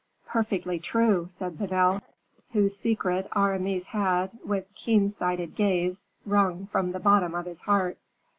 "Perfectly true," said Vanel, whose secret Aramis had, with keen sighted gaze, wrung from the bottom of his heart.